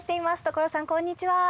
所さんこんにちは。